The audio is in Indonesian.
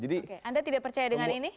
anda tidak percaya dengan ini